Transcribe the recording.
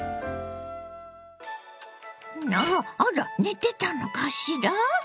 あら寝てたのかしら？